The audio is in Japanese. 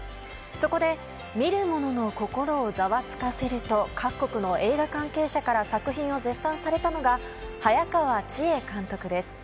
そこで見る者の心をざわつかせると各国の映画関係者から作品を絶賛されたのが早川千絵監督です。